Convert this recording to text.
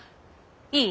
いい！？